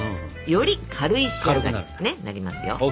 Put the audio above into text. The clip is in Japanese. より軽い仕上がりになりますよ。